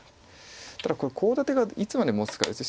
ただこれコウ立てがいつまでもつかです。